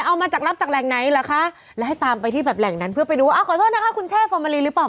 เอามาจากรับจากแหล่งไหนเหรอคะแล้วให้ตามไปที่แบบแหล่งนั้นเพื่อไปดูว่าขอโทษนะคะคุณแช่ฟอร์มาลีหรือเปล่า